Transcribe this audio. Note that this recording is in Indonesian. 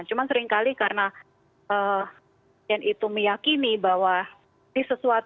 cuma seringkali karena yang itu meyakini bahwa